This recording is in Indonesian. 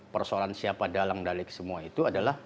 persoalan siapa dalang dalik semua itu adalah